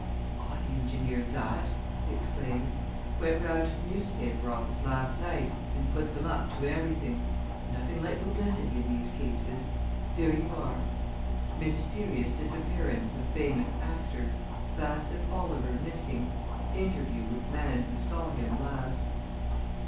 "I engineered that!" he exclaimed. "Went round to the newspaper office last night and put them up to everything. Nothing like publicity in these cases. There you are! MYSTERIOUS DISAPPEARANCE OF FAMOUS ACTOR! BASSETT OLIVER MISSING! INTERVIEW WITH MAN WHO SAW HIM LAST!